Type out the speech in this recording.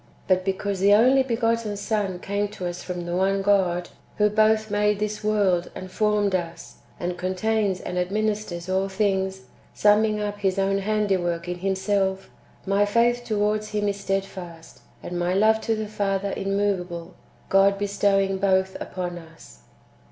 But because the only begotten Son came to us from the one God, who both made this world and formed us, and contains and administers all things, summing up His own handiwork in Himself, my faith towards Him is stedfast, and my love to the Father im moveable, God bestowing both upon us."